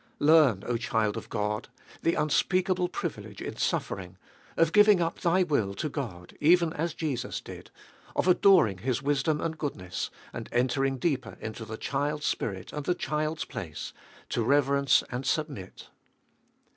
Learn, O child of God ! the unspeakable privilege in suffering, of giving up thy will to God, even as Jesus did, of adoring His wisdom and goodness, and entering deeper into the child's spirit and the child's place — to reverence and submit.